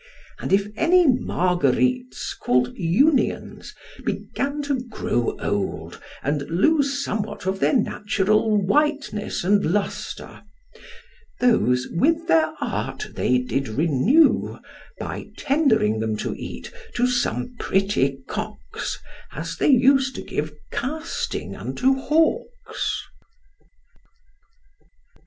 And if any margarites, called unions, began to grow old and lose somewhat of their natural whiteness and lustre, those with their art they did renew by tendering them to eat to some pretty cocks, as they use to give casting unto hawks.